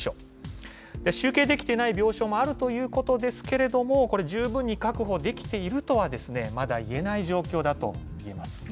集計できていない病床もあるということですけれども、これ、十分に確保できているとは、まだ言えない状況だといえます。